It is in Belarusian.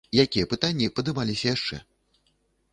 Якія пытанні падымаліся яшчэ?